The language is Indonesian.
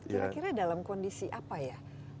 kira kira dalam kondisi apa ya